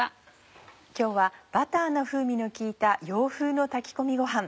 今日はバターの風味の効いた洋風の炊き込みごはん